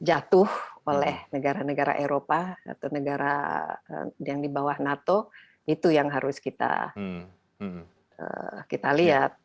jatuh oleh negara negara eropa atau negara yang di bawah nato itu yang harus kita lihat